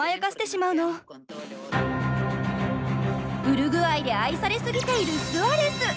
ウルグアイで愛されすぎているスアレス。